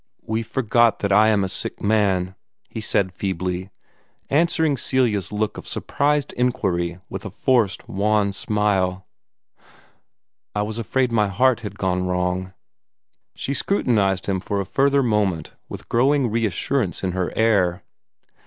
"We we forgot that I am a sick man," he said feebly, answering Celia's look of surprised inquiry with a forced, wan smile. "I was afraid my heart had gone wrong." She scrutinized him for a further moment, with growing reassurance in her air.